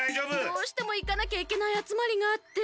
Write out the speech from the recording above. どうしてもいかなきゃいけないあつまりがあって。